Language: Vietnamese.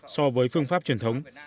so với phương pháp truyền thống